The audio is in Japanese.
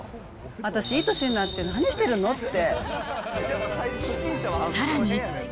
私、いい年になって何してるのって。